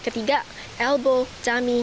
tidak elbow tummy